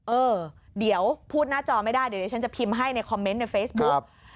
เออเดี๋ยวพูดหน้าจอไม่ได้เดี๋ยวดิฉันจะพิมพ์ให้ในคอมเมนต์ในเฟซบุ๊ก